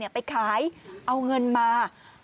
ไปขายเอาเงินมา